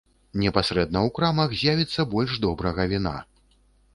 Непасрэдна ў крамах з'явіцца больш добрага віна.